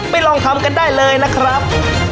ลองทำกันได้เลยนะครับ